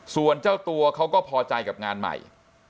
ส่วนเจ้าตัวเขาก็พอใจกับงานใหม่